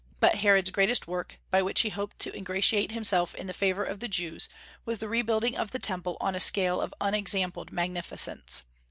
But Herod's greatest work, by which he hoped to ingratiate himself in the favor of the Jews, was the rebuilding of the Temple on a scale of unexampled magnificence.